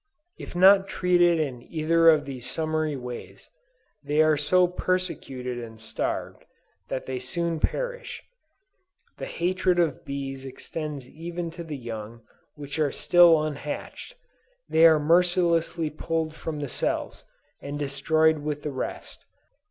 If not treated in either of these summary ways, they are so persecuted and starved, that they soon perish. The hatred of the bees extends even to the young which are still unhatched: they are mercilessly pulled from the cells, and destroyed with the rest.